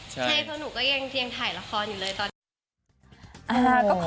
ใช่ตอนนี้ก็ทำหนังถ่ายละครอยู่เลย